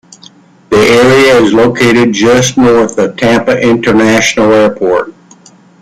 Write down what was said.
The area is located just north of Tampa International Airport.